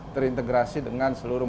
terintegrasi dengan seluruh